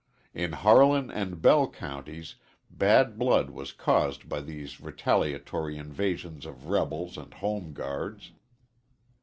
In Harlan and Bell Counties bad blood was caused by these retaliatory invasions of rebels and Home Guards.